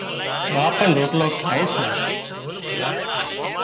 ٻاپ پڻ روٽلو کائي سي